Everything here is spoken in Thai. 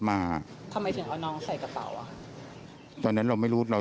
ไม่เกี่ยวเลย